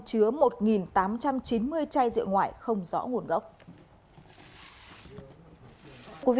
chứa một tám trăm chín mươi chai rượu ngoại không rõ nguồn gốc